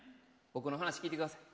僕の話聞いてください。